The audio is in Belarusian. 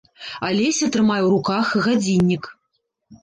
Алеся трымае ў руках гадзіннік.